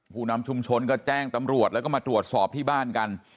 ผู้นำชุมชนก็แจ้งตำรวจแล้วก็มาตรวจสอบที่บ้านกัน